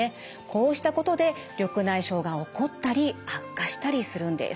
こうしたことで緑内障が起こったり悪化したりするんです。